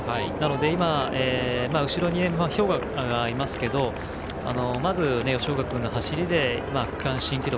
今、後ろに兵庫がいますけどまず、吉岡君の走りで区間新記録。